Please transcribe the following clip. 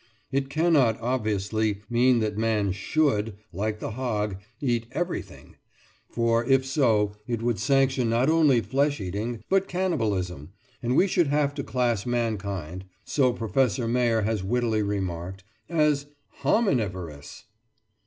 It cannot, obviously, mean that man should, like the hog, eat everything, for, if so, it would sanction not only flesh eating, but cannibalism, and we should have to class mankind (so Professor Mayor has wittily remarked) as hominivorous!